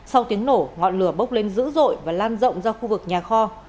sau tiếng nổ ngọn lửa bốc lên dữ dội và lan rộng ra khu vực nhà kho